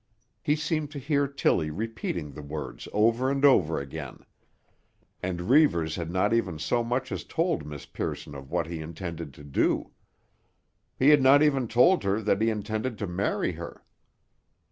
He seemed to hear Tilly repeating the words over and over again. And Reivers had not even so much as told Miss Pearson of what he intended to do. He had not even told her that he intended to marry her.